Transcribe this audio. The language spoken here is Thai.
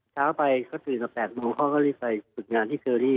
เช้าไปเขาตื่นต่อแปดโมงเขาก็เรียนไปฝึกงานที่เจอรี่